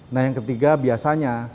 nah yang ketiga biasanya